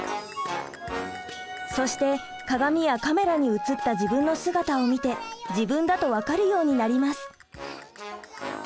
そして鏡やカメラに映った自分の姿を見て自分だと分かるようになります。